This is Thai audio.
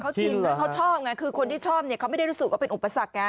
เขาชินเขาชอบไงคือคนที่ชอบเนี่ยเขาไม่ได้รู้สึกว่าเป็นอุปสรรคไง